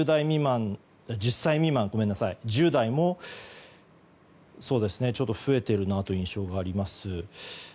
１０歳未満、１０代もちょっと増えているという印象があります。